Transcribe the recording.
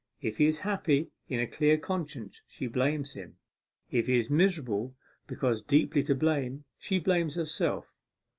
If he is happy in a clear conscience, she blames him; if he is miserable because deeply to blame, she blames herself.